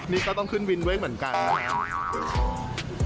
นี่ก็ต้องขึ้นวินด้วยเหมือนกันนะครับ